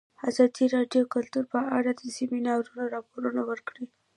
ازادي راډیو د کلتور په اړه د سیمینارونو راپورونه ورکړي.